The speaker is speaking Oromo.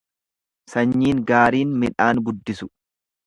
Sanyiin gaariin midhaan guddisu.